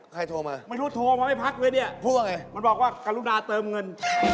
ใครโทรมาพูดว่าไงมันบอกว่ากรุณาเติมเงิน